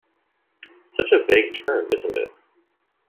It's such a vague term, isn't it?